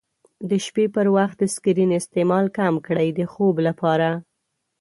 د شپې پر وخت د سکرین استعمال کم کړئ د خوب لپاره.